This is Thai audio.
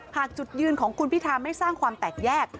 หากจุดยืนของคุณพิธาไม่สร้างความแตกแยก